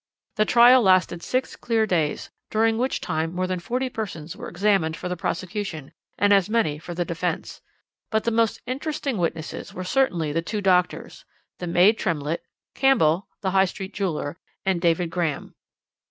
"The trial lasted six clear days, during which time more than forty persons were examined for the prosecution, and as many for the defence. But the most interesting witnesses were certainly the two doctors, the maid Tremlett, Campbell, the High Street jeweller, and David Graham.